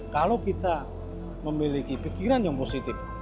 kalau kita memiliki pikiran yang positif